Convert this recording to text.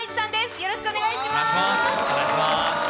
よろしくお願いします。